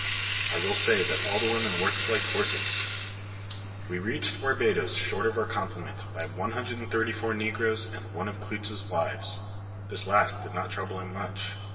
I will say that all the women worked like horses. We reached Barbadoes short of our complement by 134 negroes and one of Klootz's wives. This last did not trouble him much.